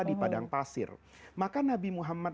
di padang pasir maka nabi muhammad